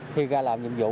khi ra làm nhiệm vụ